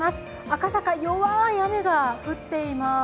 赤坂、弱い雨が降っています。